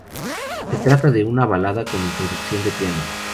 Se trata de una balada con una introducción de piano.